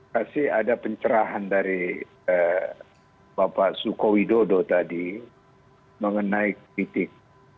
kasih ada pencerahan dari bapak sukowidodo tadi mengenai kritik